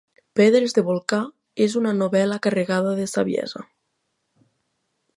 Pedres de volcà és una novel·la carregada de saviesa.